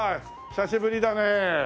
久しぶりだねえ。